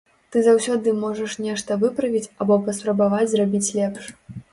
Ты заўсёды можаш нешта выправіць або паспрабаваць зрабіць лепш.